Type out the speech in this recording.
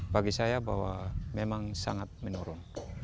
bagi saya bahwa memang sangat menurun